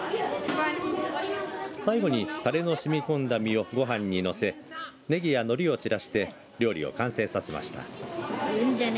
最後に、たれのしみ込んだ身をご飯にのせねぎやのりを散らして料理を完成させました。